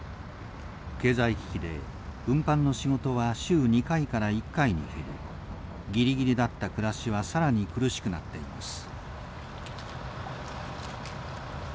経済危機で運搬の仕事は週２回から１回に減りぎりぎりだった暮らしは更に苦しくなっています。